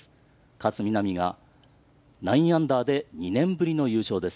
勝みなみが、９アンダーで２年ぶりの優勝です。